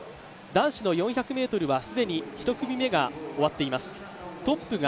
男子の４００ｍは既に１組目が終わっています。